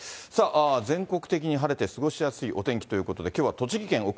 全国的に晴れて過ごしやすいお天気ということで、きょうは栃木県奥